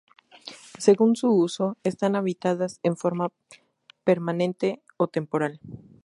Según su uso, están habitadas en forma permanente o temporal.